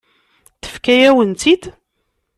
Tefka-yawen-tt-id.